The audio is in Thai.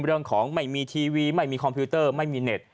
เรื่องของไม่มีทีวีไม่มีคอมพิวเตอร์ไม่มีเน็ต